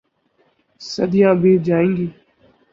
صدیاں بیت جائیں گی۔